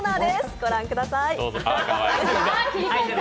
御覧ください。